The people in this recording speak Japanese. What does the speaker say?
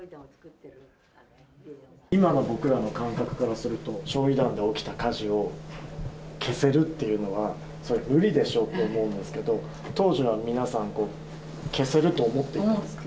今の僕らの感覚からすると、焼い弾で起きた火事を、消せるっていうのは、それは無理でしょうと思うんですけど、当時は皆さん、消せると思っていたんですか？